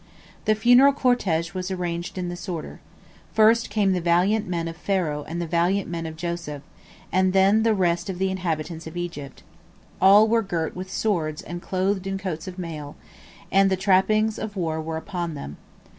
The funeral cortege was arranged in this order: First came the valiant men of Pharaoh and the valiant men of Joseph, and then the rest of the inhabitants of Egypt. All were girt with swords and clothed in coats of mail, and the trappings of war were upon them.